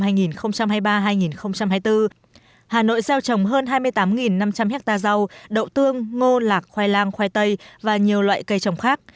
hà nội gieo trồng hơn hai mươi tám năm trăm linh hectare rau đậu tương ngô lạc khoai lang khoai tây và nhiều loại cây trồng khác